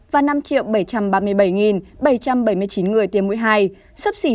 và năm bảy trăm ba mươi bảy bảy trăm bảy mươi chín người tiêm mũi hai sấp xỉ tám mươi